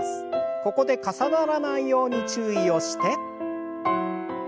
ここで重ならないように注意をして。